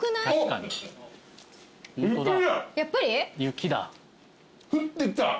やっぱり？